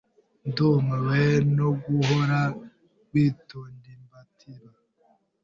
Ndumiwe no guhora witondimbatiba.